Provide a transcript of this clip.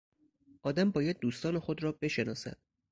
آدم باید دوستان خود را بشناسد.